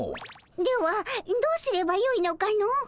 ではどうすればよいのかの？